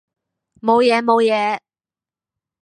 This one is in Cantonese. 冇嘢冇嘢